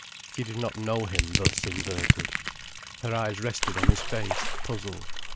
She did not know him thus inverted. Her eyes rested on his face, puzzled.